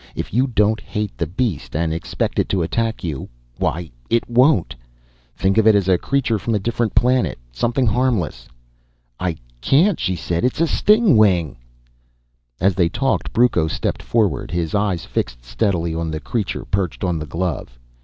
If you don't hate the beast and expect it to attack you why it won't. Think of it as a creature from a different planet, something harmless." "I can't," she said. "It's a stingwing!" As they talked Brucco stepped forward, his eyes fixed steadily on the creature perched on the glove.